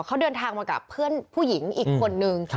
เขาเดินทางมากับเพื่อนผู้หญิงอีกคนนึง